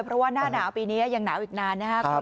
เพราะว่าหน้าหนาวปีนี้ยังหนาวอีกนานนะครับ